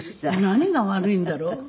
何が悪いんだろう？